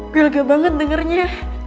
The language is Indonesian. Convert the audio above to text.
gue lega banget dengernya